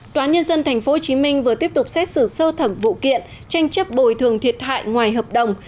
tòa nhân dân tp hcm vừa tiếp tục xét xử sơ thẩm vụ kiện tranh chấp bồi thường thiệt hại ngoài hợp đồng